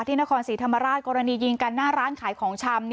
นครศรีธรรมราชกรณียิงกันหน้าร้านขายของชำ